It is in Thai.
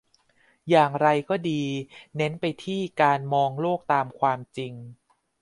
อย่างไรก็ดี เน้นไปที่การมองโลกตามความจริง